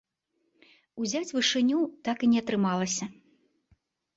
Узяць вышыню так і не атрымалася.